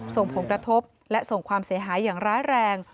ส่งผลกระทบและส่งความเสียหายอย่างร้ายแรง